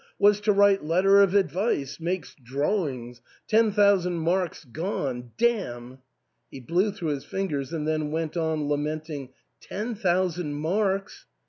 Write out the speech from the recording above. — was to write letter of advice — makes drawings — ten thousand marks gone — dam !" He blew through his fingers and then went on lamenting, ^* Ten thousand marks